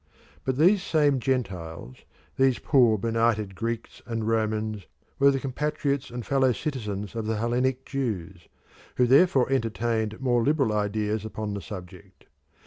But these same Gentiles, these poor benighted Greeks and Romans, were the compatriots and fellow citizens of the Hellenic Jews, who therefore entertained more liberal ideas upon the subject.